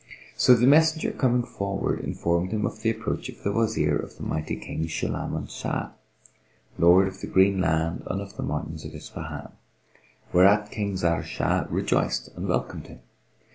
So the messenger coming forward informed him of the approach of the Wazir of the mighty King Sulayman Shah, Lord of the Green Land and of the Mountains of Ispahan: whereat King Zahr Shah rejoiced and welcomed him.